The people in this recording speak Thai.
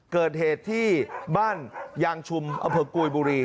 เกิดเหตุที่บ้านยางชุมอำเภอกุยบุรี